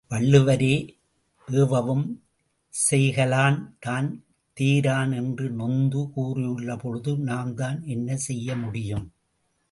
வள்ளுவரே, ஏவவும் செய்கலான் தான் தேரான் என்று நொந்து கூறியுள்ள பொழுது நாம்தான் என்ன செய்ய முடியும்?